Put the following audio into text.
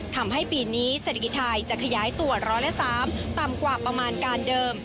ทำให้ปีนี้เศรษฐกิจไทยจะขยายตัวร้อยละ๓ต่ำกว่าประมาณการเดิม